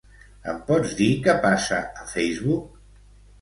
Em pots dir què passa a Facebook?